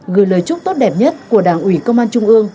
gửi lời chúc tốt đẹp nhất của đảng ủy công an trung ương